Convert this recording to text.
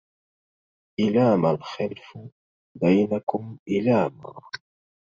إلام الخلف بينكم إلاما